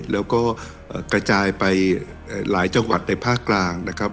แล้วก็กระจายไปหลายจังหวัดในภาคกลางนะครับ